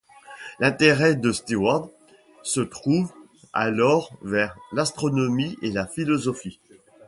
L'intérêt de Stewart se tourne alors vers l'astronomie et la philosophie.